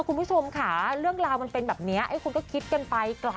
คุณผู้ชมค่ะเรื่องราวมันเป็นแบบนี้คุณก็คิดกันไป